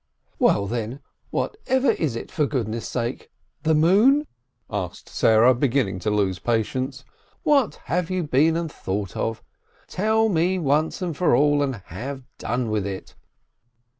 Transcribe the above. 358 S. LIBIN "Well, then, whatever is it, for goodness' sake ! The moon ?" asked Sarah, beginning to lose patience. "What have you been and thought of? Tell me once for all, and have done with it!"